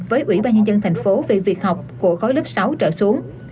với ủy ban nhân dân thành phố về việc học của gói lớp sáu trở xuống